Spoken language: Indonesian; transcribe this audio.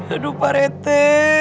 aduh pak rete